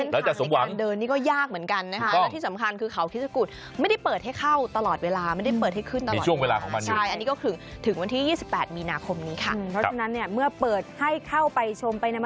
แล้วเส้นทางในการเดินนี่ก็ยากเหมือนกันนะคะ